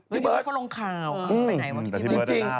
พี่เบิร์ดเขาลงข่าวไปไหนวะพี่เบิร์ด